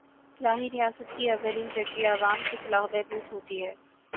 فلاحی ریاست کی اولین ترجیح عوام کی فلاح و بہبود ہوتی ہے